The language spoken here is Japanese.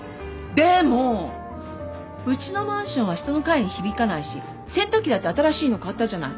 でもうちのマンションは下の階に響かないし洗濯機だって新しいの買ったじゃない。